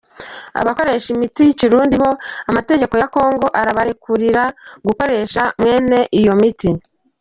Abakoresha imiti y'ikirundi bo, amategeko ya kongo arabarekurira gukoresha mwene iyo miti.